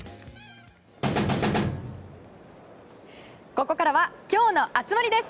ここからは今日の熱盛です。